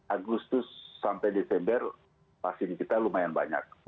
agustus sampai desember vaksin kita lumayan banyak